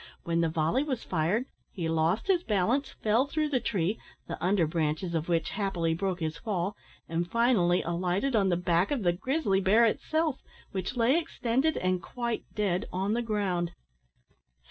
When the volley was fired, he lost his balance, fell through the tree, the under branches of which happily broke his fall, and finally alighted on the back of the grizzly bear itself, which lay extended, and quite dead, on the ground.